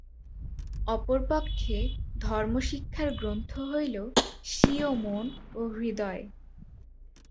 অপরপক্ষে ধর্ম-শিক্ষার গ্রন্থ হইল স্বীয় মন ও হৃদয়।